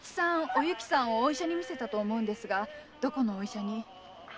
おゆきさんをお医者に診せたと思うんですがどこのお医者に？